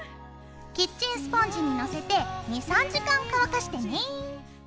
キッチンスポンジにのせて２３時間乾かしてね。